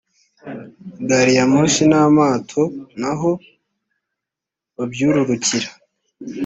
gari ya moshi n’amato n’aho babyururukira